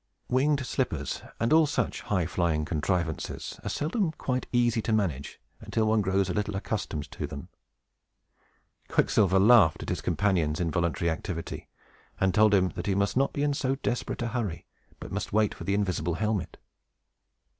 Winged slippers, and all such high flying contrivances, are seldom quite easy to manage until one grows a little accustomed to them. Quicksilver laughed at his companion's involuntary activity, and told him that he must not be in so desperate a hurry, but must wait for the invisible helmet.